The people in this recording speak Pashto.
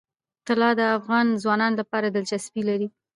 طلا د افغان ځوانانو لپاره دلچسپي لري.